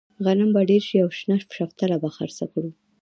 غنم به ډېر شي او شنه شفتله به خرڅه کړو.